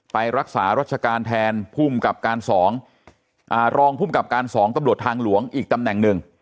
ไปรักษารัชการแทนภูมิกับการ๒รองภูมิกับการ๒ตำรวจทางหลวงอีกตำแหน่งหนึ่ง